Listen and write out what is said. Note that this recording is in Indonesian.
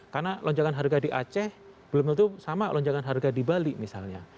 karena lonjakan harga di aceh belum tentu sama lonjakan harga di bali misalnya